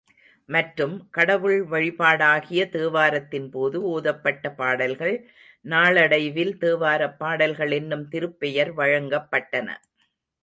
மற்றும், கடவுள் வழிபாடாகிய தேவாரத்தின்போது, ஓதப்பட்ட பாடல்கள் நாளடைவில் தேவாரப் பாடல்கள் என்னும் திருப்பெயர் வழங்கப்பட்டன.